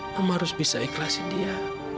mama harus bisa ikhlasin dia